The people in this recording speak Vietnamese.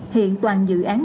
hiện toàn dự án